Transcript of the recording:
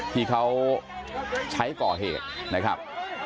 ที่เขาใช้ก่อเหตุนะครับ